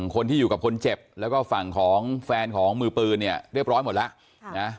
คนที่อยู่กับคนเจ็บแล้วก็ฝั่งของแฟนของมือปืนเนี่ยเรียบร้อยหมดแล้วนะ